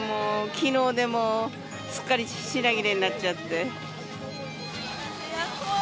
昨日でもうすっかり品切れになっちゃって。